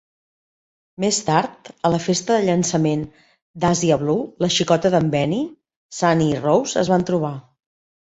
Més tard, a la festa de llançament d'Àsia Blue, la xicota d'en Benny, Sunny i Rose es van trobar.